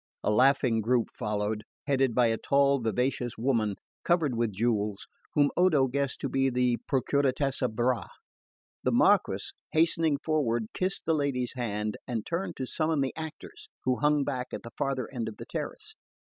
A laughing group followed, headed by a tall vivacious woman covered with jewels, whom Odo guessed to be the Procuratessa Bra. The Marquess, hastening forward, kissed the lady's hand, and turned to summon the actors, who hung back at the farther end of the terrace.